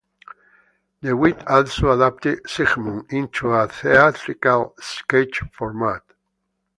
De Wit also adapted "Sigmund" into a theatrical sketch format.